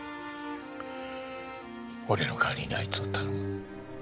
俺の代わりにあいつを頼む。